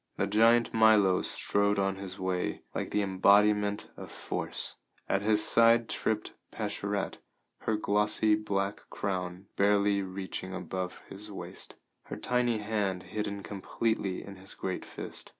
The giant Milo strode on his way like the embodiment of force; at his side tripped Pascherette, her glossy black crown barely reaching above his waist, her tiny hand hidden completely in his great fist.